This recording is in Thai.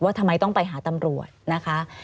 ทำไมต้องไปหาตำรวจนะคะ